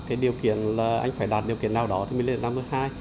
cái điều kiện là anh phải đạt điều kiện nào đó thì mới lên năm bước hai